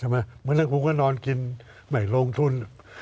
เมื่อนั้นคุณก็นอนกินไม่ลงทุน